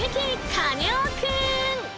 カネオくん！